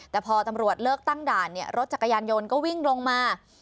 แต่พอตำรวจเลิกตั้งด่านรถจักรยานยนต์ก็วิ่งลงมา